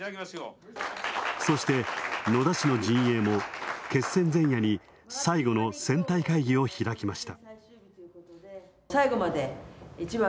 そして野田氏の陣営も決戦前夜に最後の選対会議を開きました。